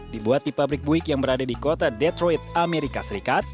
dibuat di pabrik buik yang berada di kota detroit amerika serikat